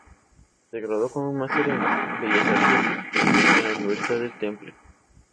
Se graduó con un máster en bellas artes en la Universidad del Temple.